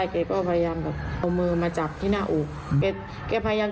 เมื่อกี้คือมันไม่ใช่มันไม่ใช่เลย